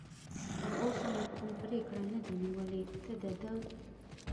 تراوسه مې کوم پرېکړه نه ده نیولې، ته د ده.